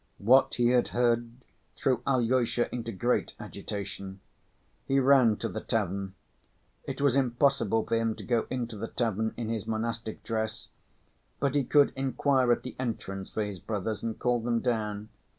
What he had heard threw Alyosha into great agitation. He ran to the tavern. It was impossible for him to go into the tavern in his monastic dress, but he could inquire at the entrance for his brothers and call them down.